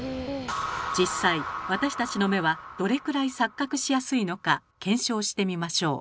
実際私たちの目はどれくらい錯覚しやすいのか検証してみましょう。